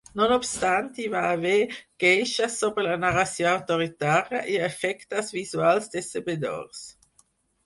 No obstant, hi va haver queixes sobre la narració autoritària i efectes visuals decebedors.